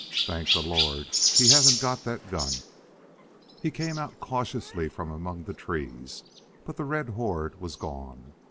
Thank the Lord he hasn't got that gun!" He came out cautiously from among the trees, but the red horde was gone.